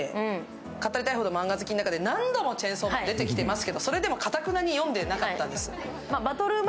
「語りたいほどマンガ好き」の中で何度も「チェンソーマン」が出てきてますけど、それでもかたくなに読んでなかったんですよ。